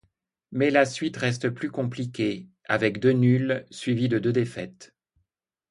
Mais la suite reste plus compliquée, avec deux nuls suivis de deux défaites.